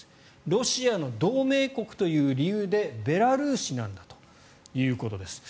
ロシアの同盟国という理由でベラルーシなんだということです。